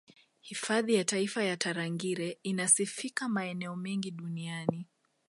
Hifadhi ya taifa ya Tarangire inasifika maeneo mengi Duniani